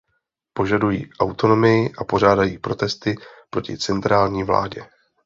Požadují autonomii a pořádají protesty proti centrální vládě.